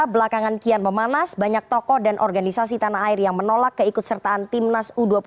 belakangan kian memanas banyak tokoh dan organisasi tanah air yang menolak keikut sertaan timnas u dua puluh